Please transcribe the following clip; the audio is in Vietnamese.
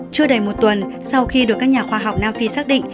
chưa đầy một tuần sau khi được các nhà khoa học nam phi xác định